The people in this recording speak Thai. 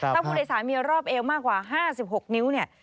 ถ้าผู้โดยศาลมีรอบเอวมากกว่า๕๖นิ้ว